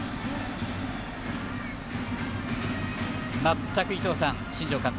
全く伊東さん、新庄監督